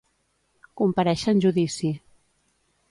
Comparèixer en judici.